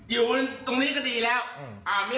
อยู่ตรงนี้ก็ดีแล้ว